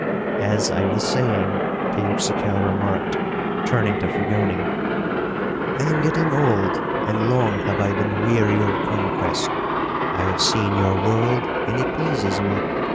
"As I was saying," Teuxical remarked, turning to Fragoni, "I am getting old and long have I been weary of conquest. I have seen your world and it pleases me.